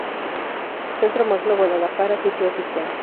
Centro Magno Guadalajara Sitio Oficial